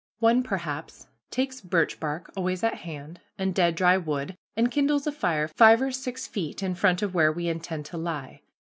One, perhaps, takes birch bark, always at hand, and dead dry wood, and kindles a fire five or six feet in front of where we intend to lie.